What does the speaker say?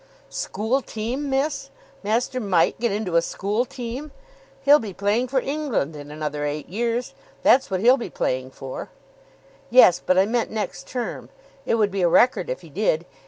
"School team, miss! Master Mike get into a school team! He'll be playing for England in another eight years. That's what he'll be playing for." "Yes, but I meant next term. It would be a record if he did.